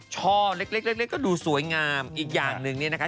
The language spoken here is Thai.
ช่อเล็กเล็กก็ดูสวยงามอีกอย่างหนึ่งเนี่ยนะคะ